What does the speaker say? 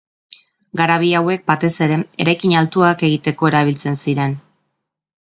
Garabi hauek batez ere eraikin altuak egiteko erabiltzen ziren.